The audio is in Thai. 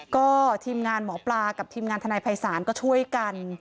ก็ทีมงานหมอปลากับทีมงานทนายภัยศาลก็ช่วยกัน